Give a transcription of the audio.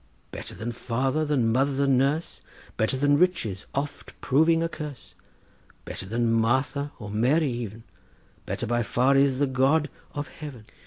Better than father, than mother, than nurse, Better than riches, oft proving a curse, Better than Martha or Mary even— Better by far is the God of heaven.